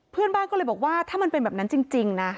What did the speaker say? เพื่อนบ้านก็เลยบอกว่าถ้ามันเป็นแบบนั้นจริงนะ